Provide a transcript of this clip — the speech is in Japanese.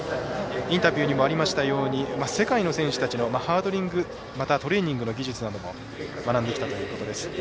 インタビューにもありましたように世界の選手たちのハードリングまたトレーニングの技術なども学んできたということです。